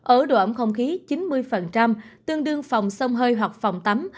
ở độ ẩm không khí chín mươi tương đương phòng sông hơi hoặc phòng tắm